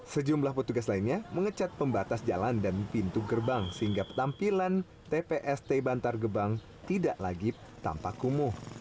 sejumlah petugas lainnya mengecat pembatas jalan dan pintu gerbang sehingga penampilan tpst bantar gebang tidak lagi tampak kumuh